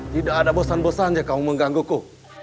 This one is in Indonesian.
tidak ada bosan bosannya kau menggangguku